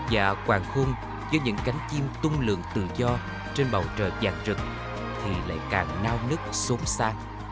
và quàng khôn do những cánh chim tung lượng tự do trên bầu trời vàng trực thì lại càng nao nứt xốn xa